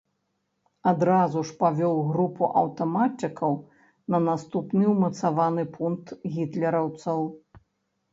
Адразу ж, павёў групу аўтаматчыкаў на наступны ўмацаваны пункт гітлераўцаў.